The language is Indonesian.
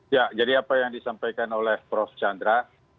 ya jadi apa yang disampaikan oleh prof chandra